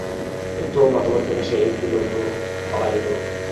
তথ্য ও মতামত প্রকাশে এর দিগন্ত অবারিত।